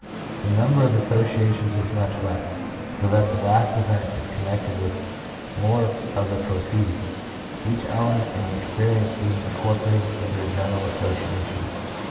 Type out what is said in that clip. The number of associations is much less, so that the last event is connected with more of the preceding, each element in the experience being incorporated into the general association.